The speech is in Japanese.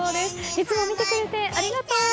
いつも見てくれてありがとう。